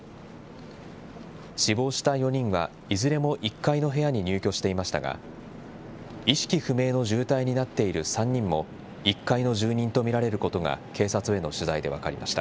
死亡した４人はいずれも１階の部屋に入居していましたが、意識不明の重体になっている３人も、１階の住人と見られることが警察への取材で分かりました。